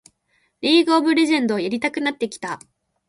リーグ・オブ・レジェンドやりたくなってきた